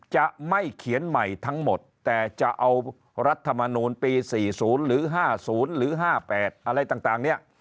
จะไม่เขียนใหม่ทั้งหมดแต่จะเอารัฐมนูลปี๔๐หรือ๕๐หรือ๕๘อะไรต่างเนี่ย